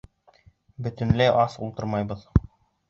Бөтөнләй ас ултырмайбыҙ.